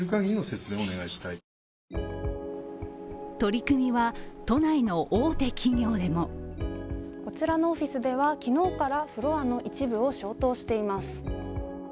取り組みは都内の大手企業でもこちらのオフィスでは昨日からフロアの一部を消灯しています。